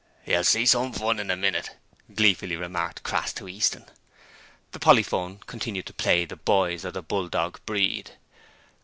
'You'll see some fun in a minute,' gleefully remarked Crass to Easton. The polyphone continued to play 'The Boys of the Bulldog Breed.'